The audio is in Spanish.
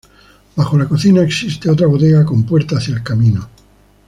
Bajo la cocina existe otra bodega con puerta hacia el camino.